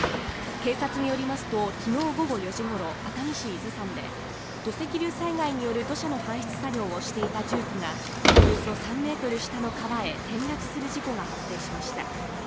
警察によりますと昨日午後４時頃、熱海市伊豆山で土石流災害による土砂の搬出作業をしていた重機がおよそ３ｍ下の川へ転落する事故が発生しました。